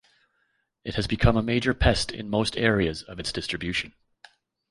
It has become a major pest in most areas of its distribution.